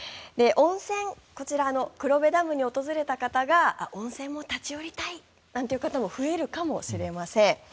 こちらの黒部ダムに訪れた方が温泉も立ち寄りたいなんて方も増えるかもしれません。